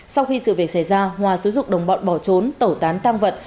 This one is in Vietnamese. sau khi sự việc xảy ra hòa xứ dục đồng bọn bỏ trốn tẩu tán tăng vật